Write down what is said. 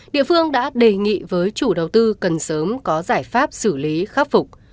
địa phương đã đề nghị với chủ đầu tư cần sớm có giải pháp xử lý khắc phục